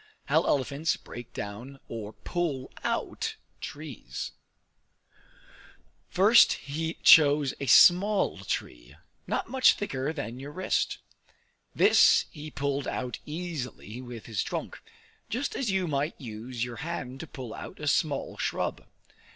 How Elephants Break Down or Pull Out Trees First he chose a small tree, not much thicker than your wrist; this he pulled out easily with his trunk, just as you might use your hand to pull out a small shrub.